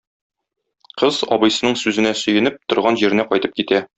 Кыз, абыйсының сүзенә сөенеп, торган җиренә кайтып китә.